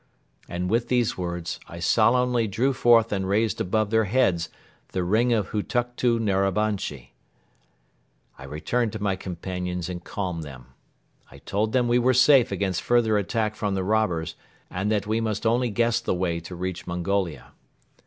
and with these words I solemnly drew forth and raised above their heads the ring of Hutuktu Narabanchi. I returned to my companions and calmed them. I told them we were safe against further attack from the robbers and that we must only guess the way to reach Mongolia.